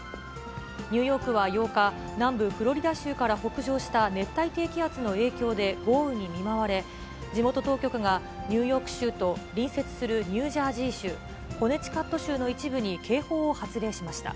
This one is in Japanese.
ニューヨークは８日、南部フロリダ州から北上した熱帯低気圧の影響で豪雨に見舞われ、地元当局がニューヨーク州と、隣接するニュージャージー州、コネティカット州の一部に警報を発令しました。